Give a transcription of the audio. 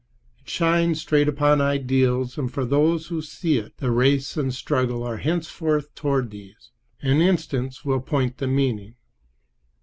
It shines straight upon ideals, and for those who see it the race and struggle are henceforth toward these. An instance will point the meaning.